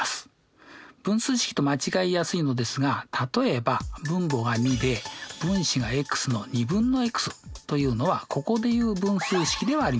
分数式と間違いやすいのですが例えばというのはここでいう分数式ではありません。